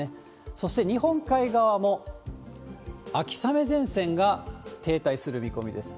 そして日本海側も、秋雨前線が停滞する見込みです。